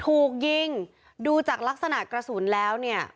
ถูกยิงดูจากลักษณะกระสุนแล้วเนี่ย